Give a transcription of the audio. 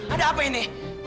ada apa ini